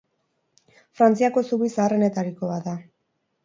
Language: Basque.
Frantziako zubi zaharrenetariko bat da.